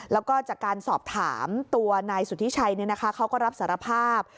แล้วก็จากการสอบถามตัวนายสุธิชัยเขาก็รับสารภาพ